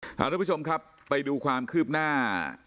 คุณผู้ชมครับไปดูความคืบหน้า